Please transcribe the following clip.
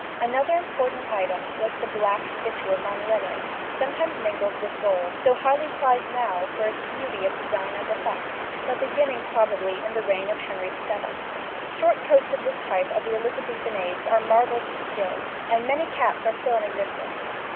Another important item was the black stitchwork on linen, sometimes mingled with gold, so highly prized now for its beauty of design and effect, but beginning probably in the reign of Henry VII. Short coats of this type of the Elizabethan age are marvels of skill, and many caps are still in existence.